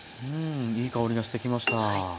うんいい香りがしてきました。